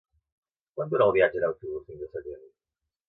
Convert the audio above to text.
Quant dura el viatge en autobús fins a Sallent?